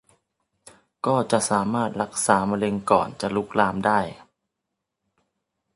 ก็จะสามารถรักษาก่อนมะเร็งจะลุกลามได้